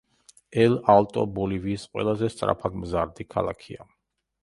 ელ–ალტო ბოლივიის ყველაზე სწრაფად მზარდი ქალაქია.